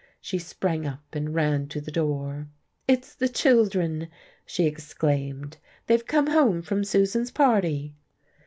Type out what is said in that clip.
She sprang up and ran to the door. "It's the children," she exclaimed, "they've come home from Susan's party!"